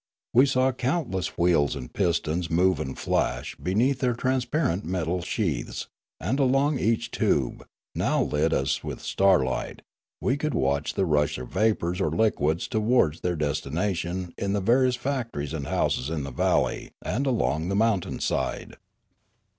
We saw countless wheels and pistons move and flash be neath their transparent metal sheaths, and along each tube, now lit as with starlight, we could watch the rush of vapours or liquids towards their destination in the various factories and houses in the valley and along the mountain side.